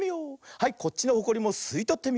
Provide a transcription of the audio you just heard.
はいこっちのホコリもすいとってみよう。